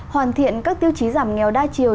hoàn thiện các tiêu chí giảm nghèo đa chiều